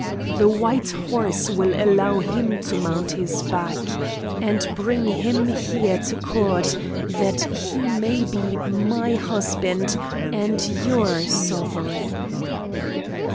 The white horse will allow him to mount his back, and bring him here to court that he may be my husband and your sovereign."